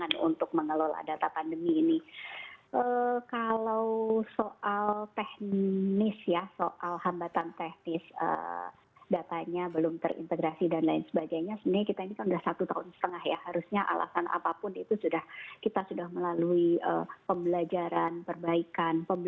antigen yang kita siapkan juga sudah diekspresikan